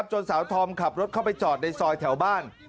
จนสาวตรงขับรถเขาไปจอดใส่ซอยแถวบ้าน